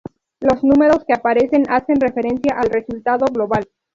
Los números que aparecen hacen referencia al resultado global.